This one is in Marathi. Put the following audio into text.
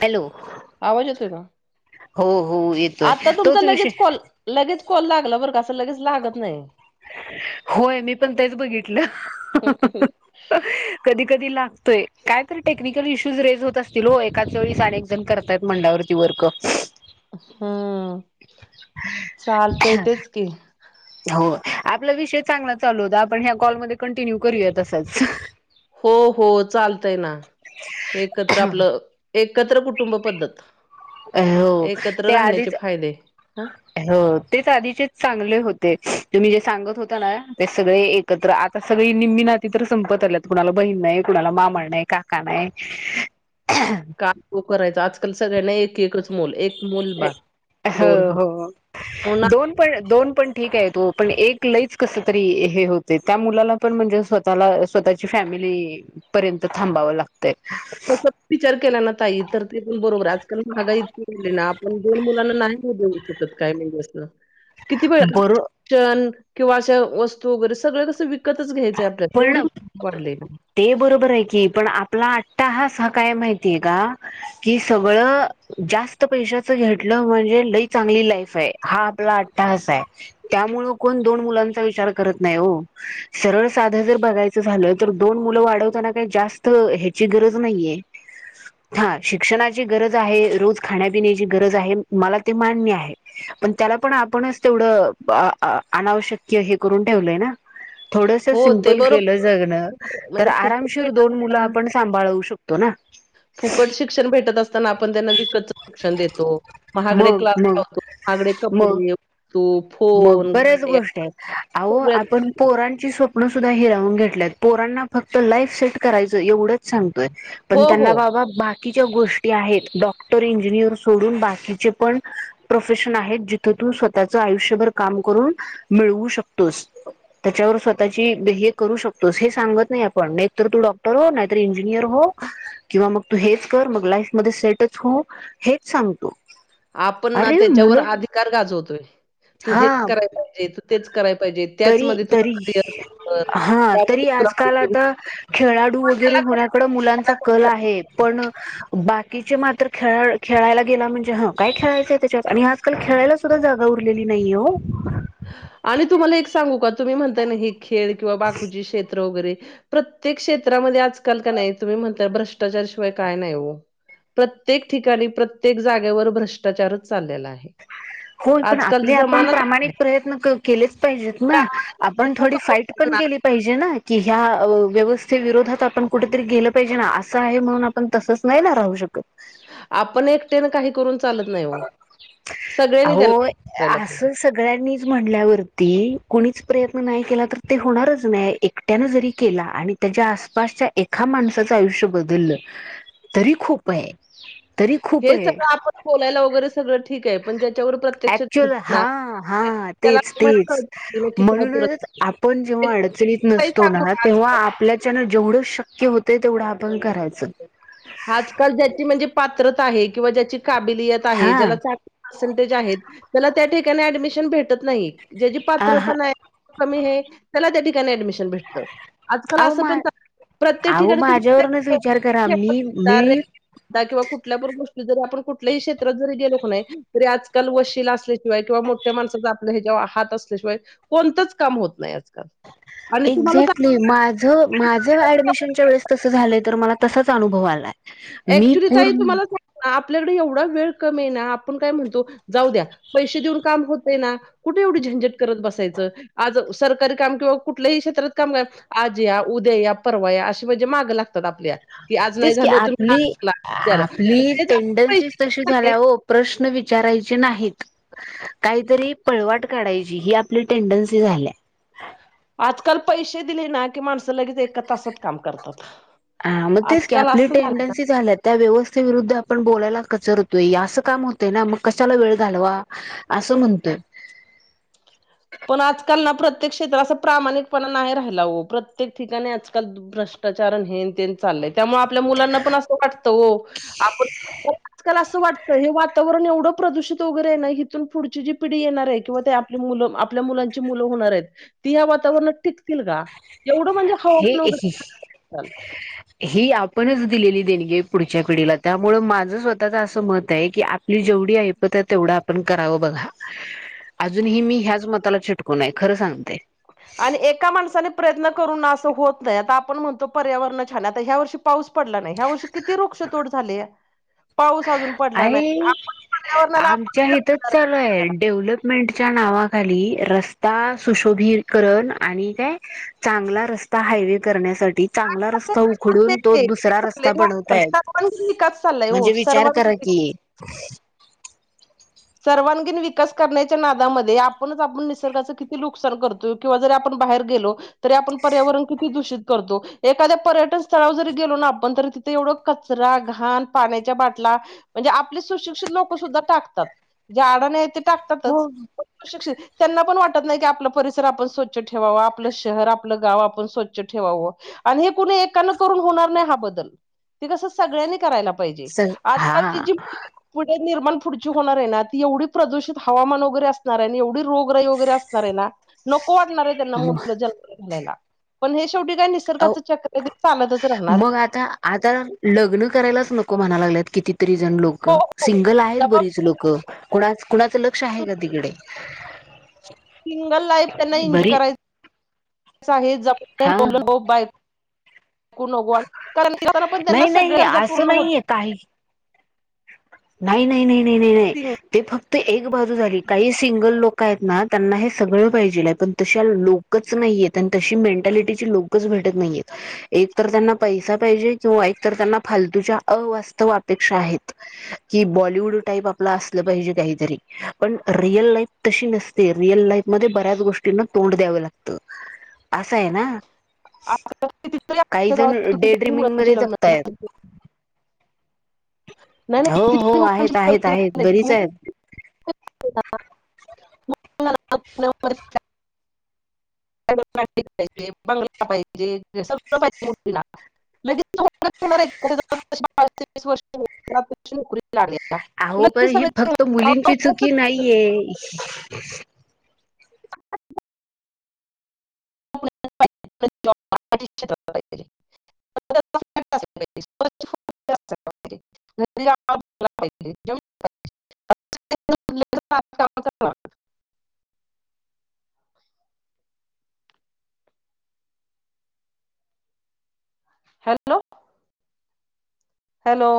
हॅलो आवाज येतोय का हो, हो येतोय आता तुमचा तोच विषय लगेच कॉल लगेच कॉल लागला बर का लगेच लागत नाही. [unintelligible] होय मी पण तेच बघितलं [unintelligible] कधी कधी लाग त्य काय तरी टेक्निकल इश्यूज रेज होत असतील हो एकाच वेळीस अनेक जण करतत मंडावरती वर्क हम्म चालत य तेच की हो आपला विषय चांगला चालू होता आपण ह्या कॉलमध्ये कंटिन्यू करूया तसाच हो हो चालत ना एकत्र आपलं एक, एकत्र कुटुंब पद्धत अ हो एकत्र ते राहण्याचे आधीच फायदे ह हो तेच आधीचेच चांगले होते. तुम्ही जे सांगत होता ना ते सगळे एकत्र आता सगळी निम्मी नाती तर संपत आल्यात कुणाला बहीण नाही कुणाला मामा नाही काका नाही, काय तो [unintelligible] करायचं आज पण सगळ्यांना एक चा बास. हो म्हणून आपण दोन पन दोन पन ठीक आहे तो पण एक लईच कस तरी हे होते त्या मुलाला पण म्हणजे स्वतःला स्वतःची फॅमिली पर्यंत थांबावं लागत तस विचार केला ना ताई तर ते पण बरोबर आजकाल महागा इतकीवाढली आहे ना आपण दोन मुलांना नाही हो देऊ शकत काय म्हणजे असं, किती बर वेळण [unintelligible] किंवा अशा वस्तू वगैरे सगळळे कसं विकतच घ्यायच, पण ते बरोबर आहे की पण आपला अट्टाहास, काय माहितीय का कि सगळं जास्त पैशाच घेटला म्हणजे लई चांगली लाईफ आहे हा आपला अट्टाहास त्यामुळेण दोन मुला च विचार करत नाहीओ सरळ साध जर बघायच झालं तर दोन मुलं वाढवताना काही जास्त ह्याची गरज नाहीय. हा शिक्षणा, शिक्षणाची गरज आहे रोज खण्या पिण्याची गरज आहे मला ते मान्य आहे.. तेला पण आपणच तेवढं अ अ अनावश्यक हे करून ठेवलाय ना थोडं, हो ते बरोबर तर म्हणजे फुकट आरामशीर भेटत दोन मुलं असना आपण सांभाळवू शकतो ना फुकट शिक्षण भेटत असताना आपण त्यांना विकत शिक्षण देतो महागडे मग क्लास मग लावतो महागडे मग कपडे, मग फोन, बऱ्याच गाड्या गोष्ट आहेत अहो सगळ्या आपण पोरांची सोपन, सुद्धा हिरावून घेतल्या पोरांना फक्त लाईफ सेट करायचं एवढं सांगतोय पण हो, हो. त्यांना बाबा बाच्या गोष्टी आहेत डॉक्टर इंजिनियर सोडून बाकीचे पण प्रोफेशन आहेत जिथ तू स्वतःच आयुष्य काम करून मिळवू शकतोस त्याच्या वर स्वतःची हे करून शकतोस हे सांगत नाही आपण नाही तू डॉक्टर हो नाहीतर इंजिनियर हो किंवा मग तू हेच कर म लाइफ मधे सेटच हो हेच सांगतो आपण ना अरे त्याच्यावर मुलं अधिकार गाजवतोय तू हेच हा करायला पाहिजे, तू तेच करायला पाहिजे, तरी त्याचमध्ये तुझं तरी करिअर तू कर. हा तरी त्यामध्ये तुला आजकाल पैसे आता भेटतील. खेळाडू मग वगैरे त्याला काय होण्याकडे करायचं? त्याला मुलांचा कला काय आहे करायचं? पण बाकीचे मात्र खेळ खेळायला गेला म्हणजे ह काय खेळायचंय त्याच्यात आणि आजकाल खेळायला सुद्धा जागा - खुलेली नाही हो आणि तुम्हाला एक सांगू का तुम्ही म्हणताय हे - खेळ किंवा बाकूचे क्षेत्र वगैरे प्रत्येक क्षेत्रामध्ये आजकाल का नाही तुम्ही म्हणता भ्रष्टाचारशिवाय काय नाही ओ प्रत्येक ठिकाणी प्रत्येक जागेवर भ्रष्टाचारच चाललेला आहे होय पण आपले आजकालचा आपण जमाना तसा आहे. प्रामाणिक प्रयत्न प्रयत्न क केलीच पाहिजेत ना प्रामाणिक आपण प्रयत्न थोडी करून फाईट पण ना, केली पाहिजे ना क ह व्यव- ते विरोधात आपण कुठेतरी गेलं पाहिजे ना असं आहे म्हणून आपण तसंच नाही ना राहू शकत आपण एकटेन काही करून चालत नाही ओ सगळे अहो य असं सगळ्यांनी - म्हणल्यावरती कोणीच प्रयत्न नाही केला तर ते होणारच नाही एकट्यान जरी केला आणि त्याच्या आसपासच्या एखा माणसाचं आयुष्य बदललं तरी खूपेय हे सगळं आपण बोलाला वगैरे - सगळं ठीकय पण ज्या - ऍक्च्युअल हा हा त्याला तेच मग तेच कळतं की काय करत म्हणूनच नाही. आपण ते जेव्हा अडचणीत काही नसतो सांगू ना आजकाल. तेव्हा आपल्याच्यान जेवढंच शक्य - क्य होतय तेवढं आपण करायचं आजकाल ज्याची म्हणजे पात्रता आहे किंवा ज्याची - काबिलियत आहे हा ज्याला [unintelligible] त्याला - त्या ठिकाणी ऍडमिशन भेटत नाही ज्याची पात्रता हा नाही कमी हे त्याला त्या - [unintelligible] भेटतआजकाल अहो असं मा पण प्रत्येक अहो ठिकाणी् माझ्यावरूनच विचार [unintelligible] करा [unintelligible] मी मी किंवा कुठल्या [unintelligible] जरी आपण कुठल्याही क्षेत्रात जरी गेलो नाही तरी आजकाल वशील असल्याशिवाय किंवा मोठ्या माणसाचा आपलं हे जेव्हा हात असल्याशिवाय कोणतंच काम होत नाही आजकाल आणि तुम्हाला एक्झॅक्टली सांगते माझ माझ ऍडमिशनच्या वेळेस तस झालंय तर मला तसच - च अनुभव आलाय मी ऍक्च्युली ताई पूर्ण तुम्हाला सांगु का - आपल्याकडे एवढा वेळ कमी ना आपण काय म्हणतो जाऊ द्या पैसे देऊन काम होतय ना कुठे एवढी झंझट करत बसायचं आज सरकारी काम किंवा कुठलही क्षेत्रात काम आज या उद्या या परवा या अशी म्हणजे माग लागते आपल्या की आज नाही तेच की झाल तर - आपली आपली पैसे टेंडनसीच तशी देऊन का नाही झाल्या ओ प्रश्न विच - विचारायची नाहीत काहीतरी पळवाट काढायची ही आपली टेंडन्सी झाल्या आजकाल पैसे दिले ना की माणसं लगेच एका तासात काम करतात हा मग तेच की आजकाल आपली असं झालं टेंडन्सी झाल्या त्या व्यवस्थ - विरुद्ध आपण बोलायला कचरतोय असं काम होतय ना मग कशाला वेळ घालवा असं म्हणतोय पण आजकाल ना प्रत्येक क्षेत असा प्रामाणिकपणा नाय राहिला व प्रत्येक ठिकाणी आजकाल ब भ्रष्टाचार अन् हेन तेन चाललंय त्यामुळं आपल्या मुलांना पण असं वाटतं ओ आपण [unintelligible] आजकाल असं वाटत हे वातावरण एवढं प्रदूषित वगैरे हे ना हिथून पुढची जी पिढी येणार हे किंवा ते आपली मुलं म आप पल्या मुलांची मुलं होणार हेत ती ह्या वातावरणात टिकतील का? एवढं म्हणजे हाव हे [unintelligible] ताल ही आपणच दिलेली देणगी हे पुढच्या पिढीला त्यामुळं मा झ स्वतःच असं मत हे की आपली जेवढी ऐपत तेवढं आपण करावं बघा. अजूनही मी ह्याच मताला चिप कू नाही खरं सांगते. आणि एका माणसाने प्रयत्न करून ना असं होत नाही आता आपण म्हणतो पर्यावरण छान हे आता ह्या वर्षी पाऊस पडला नाही ह्या वर्षी किती रुक्षतोड झालेया. पाऊस. अजून पडला नाही आहे आपण पर्यावरणाला आमच्या आपण हिथंच जबाबदार चालू आहेत आहे त्याला. डेव्हलपमेंट च्या नावाखाली रस्ता सुशोभीकरण आणि काय चांगला रस्ता हायवे करण्यासाठ टी काय चांगला रस्ता चाललंय आजकाल उखडून तो ते? हे दुसरा चाललंय रस्ता ना आजकाल बनवतायेत सर्वांगीण विकास चाललाय हो म्हणजे विचार सर्वांगीण करा विकास चाललाय तिये सर्वांगीण विकास करण्याच्या नादामध्ये आपणच आपण निसर्गाचं किती लूकसान करतोय किंवा जरी आपण बाहेर गेलो तरी आपण पर्यावरण किती दूषित करतो एखाद्या पर्यटन स्थळाव जरी गेलो ना आपण तरी तिथे एवढं कचरा घाण पाण्याच्या बाटला म्हणजे आपली सुशिक्षित लोक सुद्धा टाकतात. झाडं नाही ये ते टाकतातच हो. [unintelligible] त्यांना पण वाटत नाही की आपलं परिसर आपण स्वच्छ ठेवाव आपलं शहर आपलं गाव आपण स्वच्छ ठेवावं आणि हे कुणी एकान करून होणार नाही हा बदल ते कसं सगळ्यांनी करायला पाहिजे. स आत्ताची हा जी पुढे निर्माण पुढचीव होणार हे ना एवढी प्रदूषित हवामान वगैरे असणार हेन एवढी रोगराई वगैरे असणार हे ना, नोक वाटणार आहे त्यांना मु [unintelligible] ल जन्माला घालायला. पण हेश अव राहणार मग आता आता लग्न करायलाच नको म्हणा लागल्यात. कितीत? तरी जण लोक हो हो सिंगल आहेत बरीच लोक जबाबदारी कुणाच कुणाचं लक्ष आहे का तिकडे? सिंगल लाईफ त्यांना इंज बरी कराय हा [unintelligible] ऊ नगो वाट कारण [unintelligible] त्यांना नाही सगळे नाही गरजा असं पूर्ण नाहीये होता. काही नाही नाही नाही नाही नाही नाही ते फक त एक बाजू झाली काही सिंगल लोक आहेत ना त्यांना हे सगळं पाहिजेल आहे पण तशा लोकच नाहीयेत आणि तशी मेंटॅलिटीची लोकच भेटत नाहीयेत एक तर त्यांना पैसा पाहिजे किंवा एक तर त्यांना फालतूच्या अवास्तव अपेक्षा आहेत. की बॉलिवूड टाईप आपलं असलं पाहिजे काहीतरी पण रिअल लाईफ तशी नसते रिअल लाईफ मध्ये बऱ्याच गोष्टींना तोंड द्यावं लागत आसं आहे ना. आता कितीतरी काही आमच्या जण गावात अ डे कितीतरी ड्रीमिंग मध्ये मुलांची लग्न जगतायेत. झाली नाही नाही हो हो कितीतरी मुलांची आहेत आहेत आहेत बरीच लग्न आहेत म्हणून मला आपल्या मुलांची काळजी गाडी पाहिजे, बंगला पाहिजे सगळं पाहिजे मुलीला लागली आहे का? अहो पण लगेच ही सगळं ते फक्त मुलींची आवडतच चुकी नाही नाहीये जाँब पाहिजे हॅलो हॅलो